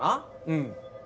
うん。